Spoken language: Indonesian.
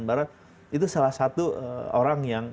nah pasaman pasaman barat itu salah satu orang yang